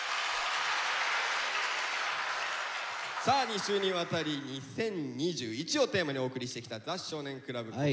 さあ２週にわたり「２０２１」をテーマにお送りしてきた「ザ少年倶楽部」。